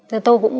thì tôi cũng